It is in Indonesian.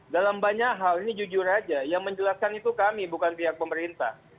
dalam banyak hal ini jujur saja yang menjelaskan itu kami bukan pihak pemerintah